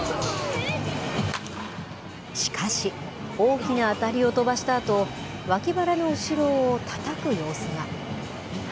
しかし、大きな当たりを飛ばしたあと、脇腹の後ろをたたく様子が。